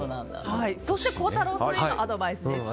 そして、孝太郎さんにアドバイスです。